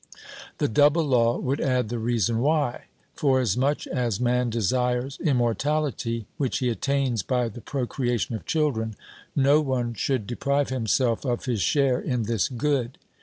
The double law would add the reason why: Forasmuch as man desires immortality, which he attains by the procreation of children, no one should deprive himself of his share in this good.